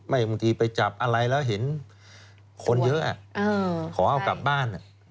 บางทีไปจับอะไรแล้วเห็นคนเยอะขอเอากลับบ้าน